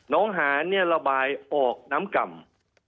น้องหานเนี่ยระบายออกน้ำก่ำ